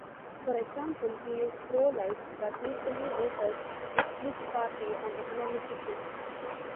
For example, he is pro-life, but usually voted with his party on economic issues.